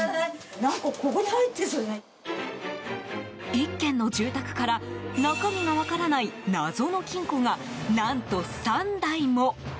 一軒の住宅から中身が分からない謎の金庫が何と、３台も。